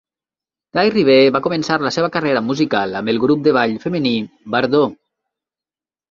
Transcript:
Tairrie B va començar la seva carrera musical amb el grup de ball femení Bardeux.